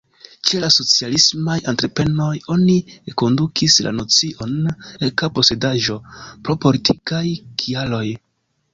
Ĉe la socialismaj entreprenoj oni enkondukis la nocion „eka posedaĵo” pro politikaj kialoj.